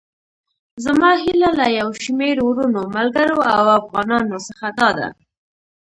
زما هيله له يو شمېر وروڼو، ملګرو او افغانانو څخه داده.